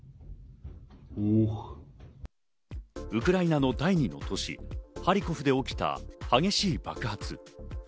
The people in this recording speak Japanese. ウクライナの第２の都市、ハリコフで起きた激しい爆発。